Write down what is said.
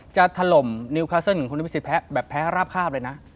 ถล่มนิวคาเซิลของคุณอภิษฎแบบแพ้ราบคาบเลยนะ